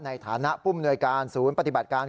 ในฐานะผู้มนวยการศูนย์ปฏิบัติการ